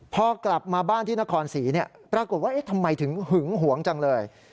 พอกลับมาบ้านที่นครศรีปรากฏว่าทำไมถึงหึงหวงจังเลย